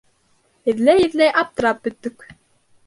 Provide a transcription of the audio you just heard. Эҙләй-эҙләй аптырап бөттөк.